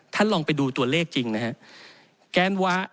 ท่านลองไปดูตัวเลขจริงนะฮะ